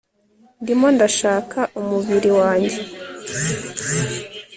ndimo ndashaka umubiri wanjye